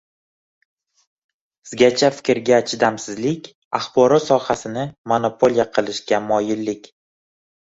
‘zgacha fikrga chidamsizlik, axborot sohasini monopoliya qilishga moyillik